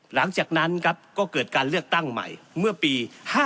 หลังจากนั้นครับก็เกิดการเลือกตั้งใหม่เมื่อปี๕๗